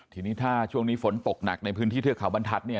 ทีนี้ถ้าช่วงนี้ฝนตกหนักในพื้นที่เทือกเขาบรรทัศน์เนี่ย